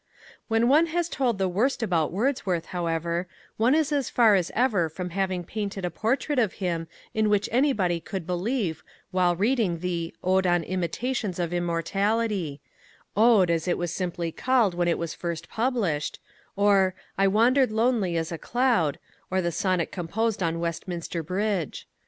When one has told the worst about Wordsworth, however, one is as far as ever from having painted a portrait of him in which anybody could believe while reading the Ode on Intimations of Immortality Ode as it was simply called when it was first published or I wandered lonely as a cloud, or the sonnet composed on Westminster Bridge.